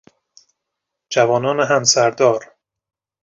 جوانان همسردار